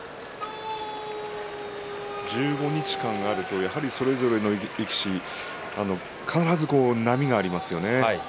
１５日間あるとそれぞれの力士必ず波がありますよね。